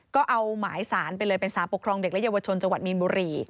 ก็เอาหมายสารไปเลยเป็นสารปกครองเด็กและเยาวชนจังหวัดมีนบุรี